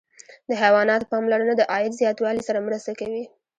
د حیواناتو پاملرنه د عاید زیاتوالي سره مرسته کوي.